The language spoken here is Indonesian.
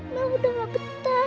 nak udah gak kena